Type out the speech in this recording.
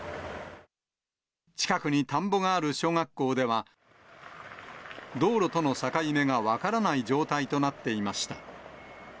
近くに田んぼがある小学校では、道路との境目が分からない状態となっていました。